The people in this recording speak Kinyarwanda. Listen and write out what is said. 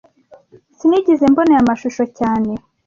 Sinigeze mbona aya mashusho cyane